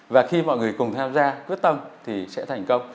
và khi mọi người cùng tham gia quyết tâm thì sẽ thành công